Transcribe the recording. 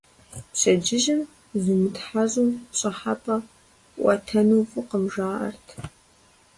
Пщэдджыжьым зумытхьэщӀу пщӀыхьэпӀэ пӀуэтэну фӀыкъым, жаӀэрт.